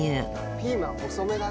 ピーマン細めだね。